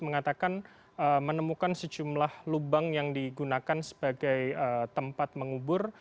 mengatakan menemukan sejumlah lubang yang digunakan sebagai tempat mengubur